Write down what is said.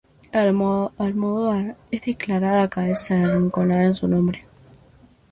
Almodóvar es declarada cabeza de la Rinconada de su nombre.